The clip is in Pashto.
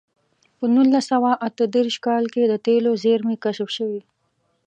په نولس سوه اته دېرش کال کې د تېلو زېرمې کشف شوې.